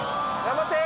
頑張って！